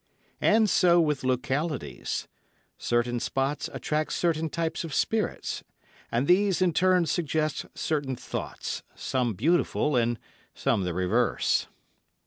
And so with localities. Certain spots attract certain types of spirits, and these, in turn, suggest certain thoughts, some beautiful and some the reverse.